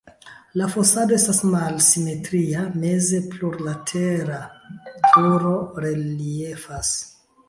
La fasado estas malsimetria, meze plurlatera turo reliefas.